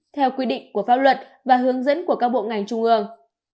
theo quy định của pháp luật và hướng dẫn của các bộ ngành trung ương